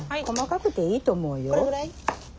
細かくていいと思うよ。